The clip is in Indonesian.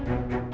saya ngaku salah